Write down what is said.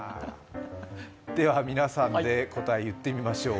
では皆さんで言ってみましょう。